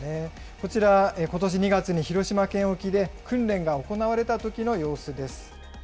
こちら、ことし２月に広島県沖で訓練が行われたときの様子です。